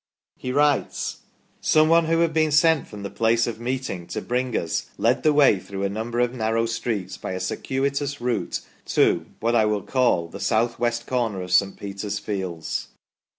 He writes :" Some one who had been sent from the place of meeting to bring us, led the way through a number of narrow streets by a circuitous route to (what I will call) the south west corner of St. Peter's fields.